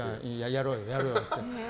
やろうよ、やろうよって。